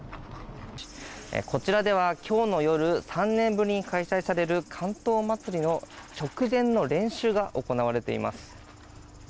こちらでは今日の夜３年ぶりに開催される竿燈まつりの直前の練習が行われています。